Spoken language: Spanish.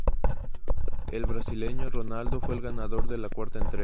El brasileño Ronaldo fue el ganador de la cuarta entrega.